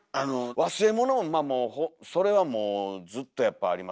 忘れ物をまあもうそれはもうずっとやっぱありますよね。